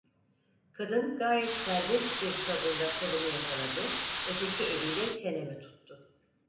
Kadın, gayet serbest bir tavırla kolumu yakaladı, öteki eliyle çenemi tuttu.